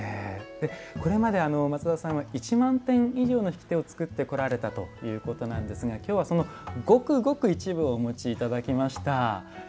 これまで松田さんは１万点以上の引き手を作ってこられたということなんですがきょうはそのごくごく一部をお持ちいただきました。